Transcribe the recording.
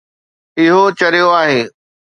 اهو چريو آهي